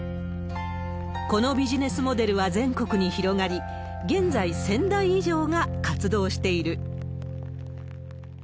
このビジネスモデルは全国に広がり、現在、１０００台以上が活動している。